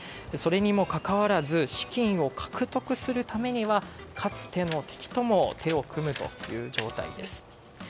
それにもかかわらず資金を獲得するためにはかつての敵とも手を組むという状態です。